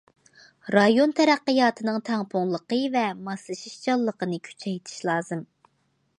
رايون تەرەققىياتىنىڭ تەڭپۇڭلۇقى ۋە ماسلىشىشچانلىقىنى كۈچەيتىش لازىم.